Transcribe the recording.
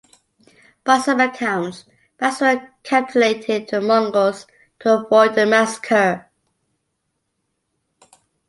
By some accounts, Basra capitulated to the Mongols to avoid a massacre.